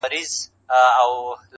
دغه کار ته فکر وړی دی حیران دی,